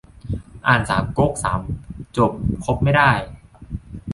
อ่านสามก๊กสามจบคบไม่ได้